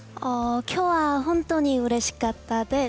今日は本当にうれしかったです。